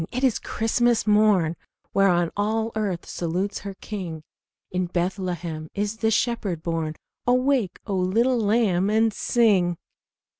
'tis Christmas morn, Whereon all earth salutes her King! In Bethlehem is the Shepherd born. Awake, O little lamb, and sing!"